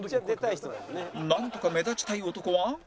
なんとか目立ちたい男は